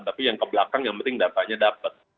tapi yang ke belakang yang penting datanya dapat